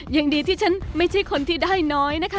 ยังดีที่ฉันไม่ใช่คนที่ได้น้อยนะคะ